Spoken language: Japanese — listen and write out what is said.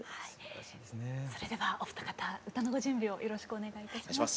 それではお二方歌のご準備をよろしくお願いいたします。